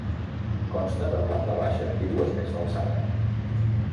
Consta de planta baixa i dues més d'alçada.